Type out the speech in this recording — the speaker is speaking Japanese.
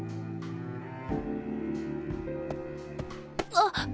あっ。